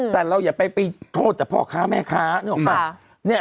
แต่เราอย่าไปโทษแต่พ่อค้าแม่ค้า